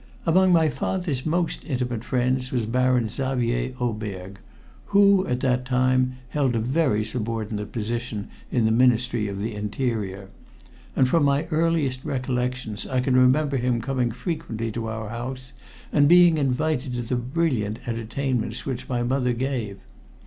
"Among my father's most intimate friends was Baron Xavier Oberg who, at that time, held a very subordinate position in the Ministry of the Interior and from my earliest recollections I can remember him coming frequently to our house and being invited to the brilliant entertainments which my mother gave.